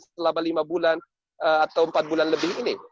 selama lima bulan atau empat bulan lebih ini